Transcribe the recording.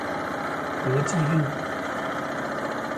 國際路